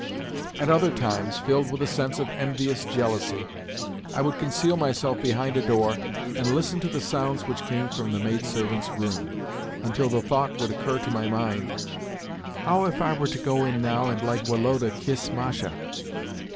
At other times, filled with a sense of envious jealousy, I would conceal myself behind a door and listen to the sounds which came from the maidservants' room, until the thought would occur to my mind, "How if I were to go in now and, like Woloda, kiss Masha?